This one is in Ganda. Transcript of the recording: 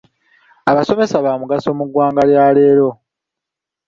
Abasomesa baamugaso mu ggwanga lya leero.